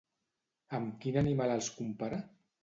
Amb quin animal els compara?